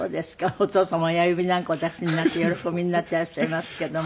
お父様親指なんかお出しになって喜びになってらっしゃいますけど。